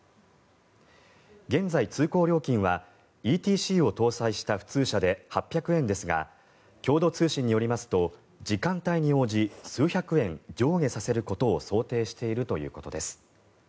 現在、通行料金はＥＴＣを搭載した普通車で８００円ですが共同通信によりますと時間帯により数百円上下させることを想定しているということです。